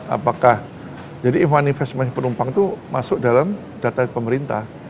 apakah jadi manifest penumpang itu masuk dalam data pemerintah